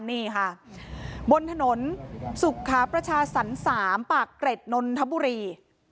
นี่ค่ะบนถนนสุขาประชาสรรค์๓ปากเกร็ดนนทบุรี